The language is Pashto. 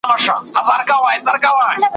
دام له سترګو وو نیهام خاورو کي ښخ وو ,